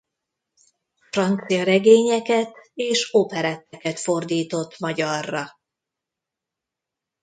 Francia regényeket és operetteket fordított magyarra.